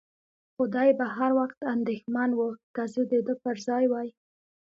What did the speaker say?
خو دی به هر وخت اندېښمن و، که زه د ده پر ځای وای.